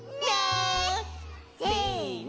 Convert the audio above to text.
せの！